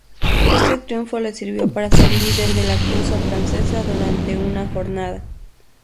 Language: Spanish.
Este triunfo le sirvió para ser líder de la cursa francesa durante una jornada.